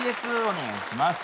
お願いします。